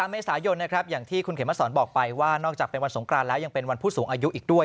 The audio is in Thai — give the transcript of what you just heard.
เมษายนนะครับอย่างที่คุณเขมสอนบอกไปว่านอกจากเป็นวันสงกรานแล้วยังเป็นวันผู้สูงอายุอีกด้วย